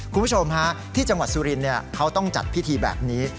คุณผู้ชมฮะที่จังหวัดสุรินทร์เขาต้องจัดพิธีแบบนี้